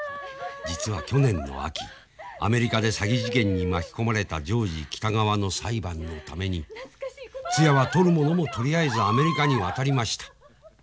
実は去年の秋アメリカで詐欺事件に巻き込まれたジョージ北川の裁判のためにつやは取るものも取りあえずアメリカに渡りました。